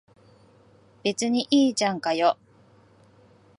別にいいじゃんかよ。